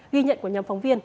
ghi nhận của nhóm phóng viên